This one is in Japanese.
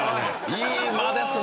「いい間ですね」